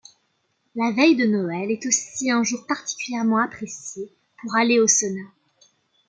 La veille de Noël est aussi un jour particulièrement apprécié pour aller au sauna.